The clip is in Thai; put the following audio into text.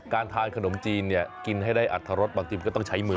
ทานขนมจีนเนี่ยกินให้ได้อัตรรสบางทีมันก็ต้องใช้มือ